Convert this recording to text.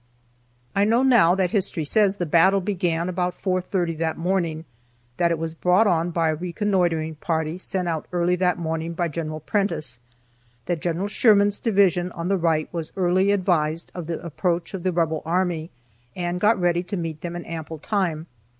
I know now that history says the battle began about 4:30 that morning; that it was brought on by a reconnoitering party sent out early that morning by General Prentiss; that General Sherman's division on the right was early advised of the approach of the Rebel army, and got ready to meet them in ample time.